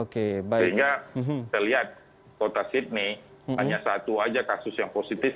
sehingga kita lihat kota sydney hanya satu saja kasus yang positif